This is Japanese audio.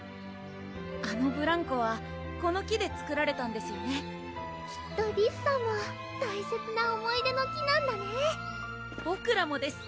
あのブランコはこの木で作られたんですよねきっとリスさんも大切な思い出の木なんだねボクらもです